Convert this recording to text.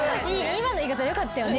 今の言い方よかったよね。